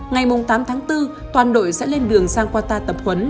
ngày tám tháng bốn toàn đội sẽ lên đường sang qatar tập huấn